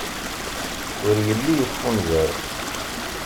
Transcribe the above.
Ur yelli yeffunzer.